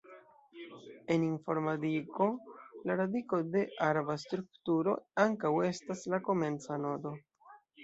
En informadiko, la radiko de arba strukturo ankaŭ estas la komenca nodo.